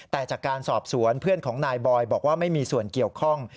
แต่จากการสอบสวนเพื่อนของนายบอยบอกว่าไม่มีส่วนเกี่ยวข้อง